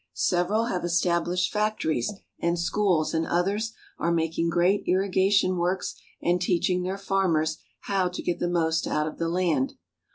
Several have estabUshed factories and schools and others are making great irrigation works and teaching their farmers how to get the most out of the land.